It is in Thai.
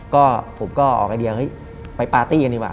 ก็ผมก็ออกไอเดียเฮ้ยไปปาร์ตี้กันดีกว่า